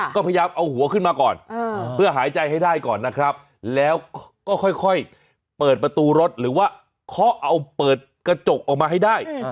ก็พยายามเอาหัวขึ้นมาก่อนเพื่อหายใจให้ได้ก่อนนะครับแล้วก็ค่อยเปิดประตูรถหรือว่าเคาะเอาเปิดกระจกออกมาให้ได้